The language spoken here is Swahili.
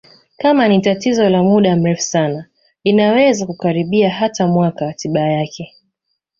kama ni tatizo la muda mrefu sana inaweza kukaribia hata mwaka tiba yake